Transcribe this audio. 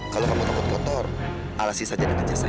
kalau kamu takut kotor alasin saja dengan kerja saya